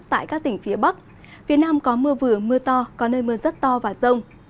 tại các tỉnh phía bắc phía nam có mưa vừa mưa to có nơi mưa rất to và rông